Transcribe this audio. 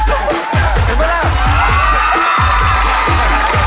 โอ้โฮอีจ้อนอะ